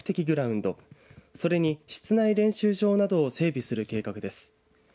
グラウンドそれに室内練習場などを整備する計画です。